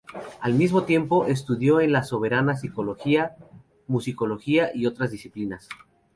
Al mismo tiempo, estudió en la Sorbona Psicología, Musicología y otras disciplinas.